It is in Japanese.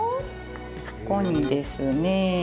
ここにですね